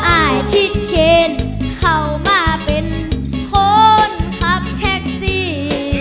อายทิศเคนเข้ามาเป็นคนขับแท็กซี่